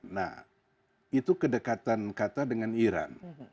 nah itu kedekatan qatar dengan iran